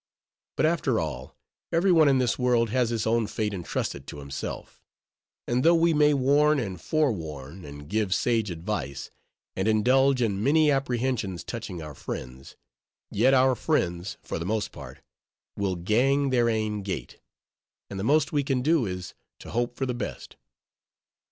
But after all, every one in this world has his own fate intrusted to himself; and though we may warn, and forewarn, and give sage advice, and indulge in many apprehensions touching our friends; yet our friends, for the most part, will "gang their ain gate;" and the most we can do is, to hope for the best.